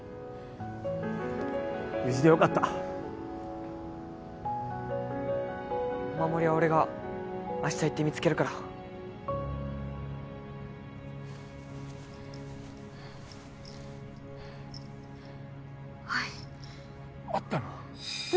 無事でよかったお守りは俺が明日行って見つけるからはいあったの！？